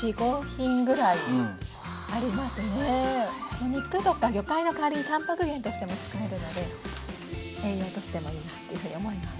もう肉とか魚介の代わりにたんぱく源としても使えるので栄養としてもいいなっていうふうに思います。